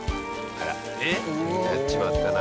あらやっちまったな。